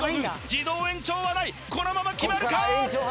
自動延長はないこのまま決まるか？